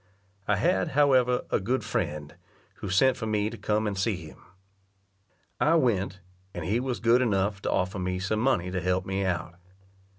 I had, however, a good friend, who sent for me to come and see him. I went, and he was good enough to offer me some money to help me out.